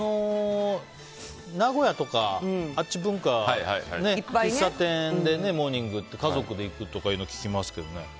名古屋とかあっち文化は喫茶店でモーニングで家族で行くとかっていうのは聞きますけどね。